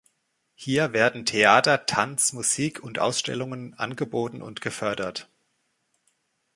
Hier werden Theater, Tanz, Musik und Ausstellungen angeboten und gefördert.